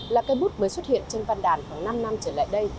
là cây bút mới xuất hiện trên văn đàn khoảng năm năm trở lại đây